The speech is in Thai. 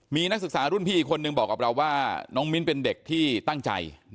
มีนักศึกษารุ่นพี่อีกคนนึงบอกกับเราว่าน้องมิ้นเป็นเด็กที่ตั้งใจ